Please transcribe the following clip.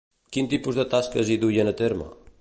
Quin tipus de tasques hi duien a terme?